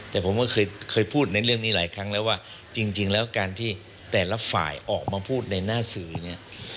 แต่ผมก็เคยพูดในเรื่องนี้หลายครั้งแล้วว่าจริงแล้วการที่แต่ละฝ่ายออกมาพูดในหน้าสื่อเนี่ย